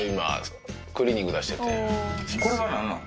これは何なの？